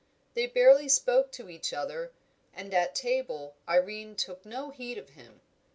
They barely spoke to each other, and at table Irene took no heed of him.